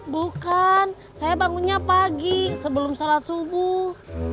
bukan saya bangunnya pagi sebelum sholat subuh